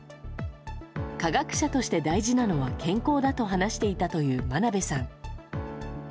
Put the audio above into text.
科学者として大事なのは健康だと話していた真鍋さん。